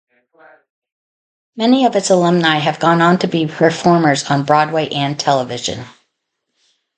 Many of its alumni have gone on to be performers on Broadway and Television.